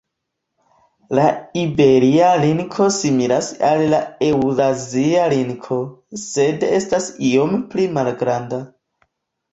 La iberia linko similas al la eŭrazia linko, sed estas iom pli malgranda.